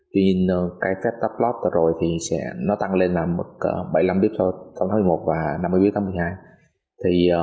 tuy nhiên cái fed tắt lót rồi thì nó tăng lên là mức bảy mươi năm b thôi tháng một mươi một và năm mươi b một mươi hai